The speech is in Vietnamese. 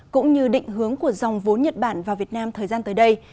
cũng như định hướng của dòng vốn nhật bản vào việt nam thời gian tới đây